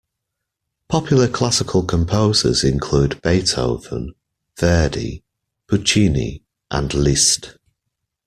Popular classical composers include Beethoven, Verdi, Puccini and Liszt.